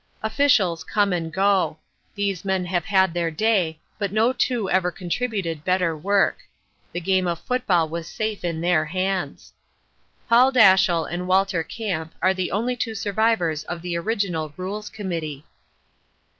Officials come and go. These men have had their day, but no two ever contributed better work. The game of Football was safe in their hands. Paul Dashiell and Walter Camp are the only two survivors of the original Rules Committee.